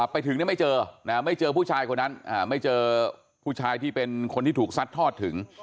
ไปถึงไม่เจอไม่เจอผู้ชายคนนั้นไม่เจอผู้ชายที่เป็นคนที่ถูกซัดทอดถึง